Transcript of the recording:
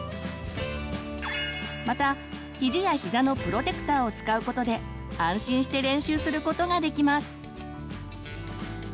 またひじやひざのプロテクターを使うことで安心して練習することができます。